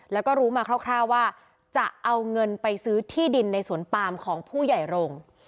แล้วก็รู้มาคร่าวว่าจะเอาเงินไปซื้อที่ดินในสวนปามของผู้ใหญ่โรง